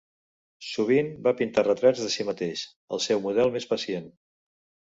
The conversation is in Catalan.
Sovint va pintar retrats de si mateix, el seu model més pacient.